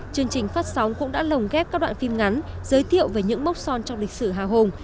chương trình phát sóng cũng đã lồng ghép các đoạn phim ngắn giới thiệu về những mốc son trong lịch sử hào hùng